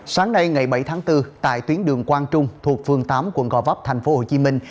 sáng nay ngày bảy tháng bốn tại tuyến đường quang trung thuộc phường tám quận gò vấp thành phố hồ chí minh